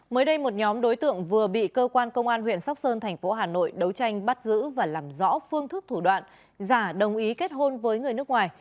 mới đây một nhóm đối tượng vừa bị cơ quan công an huyện sóc sơn thành phố hà nội đấu tranh bắt giữ và làm rõ phương thức thủ đoạn giả đồng ý kết hôn với người nước ngoài